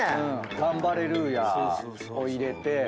ガンバレルーヤを入れて。